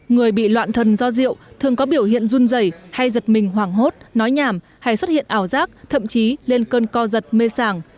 người bị loạn thần do rượu thường có biểu hiện run dày hay giật mình hoảng hốt nói nhàm hay xuất hiện ảo giác thậm chí lên cơn co giật mê sàng